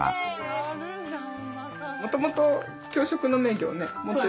やるじゃん。